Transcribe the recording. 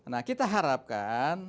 nah kita harapkan